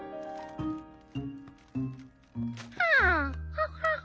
ハハハハ。